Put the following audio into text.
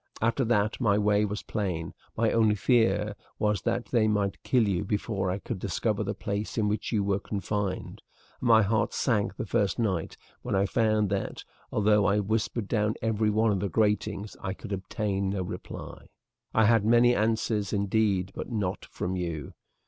After that my way was plain; my only fear was that they might kill you before I could discover the place in which you were confined, and my heart sank the first night when I found that, though I whispered down every one of the gratings, I could obtain no reply. "I had many answers, indeed, but not from you.